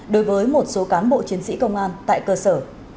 đối với một số cán bộ chiến sĩ công an tại cơ sở